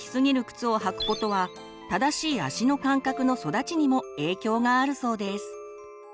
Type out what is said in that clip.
靴を履くことは「正しい足の感覚の育ち」にも影響があるそうです。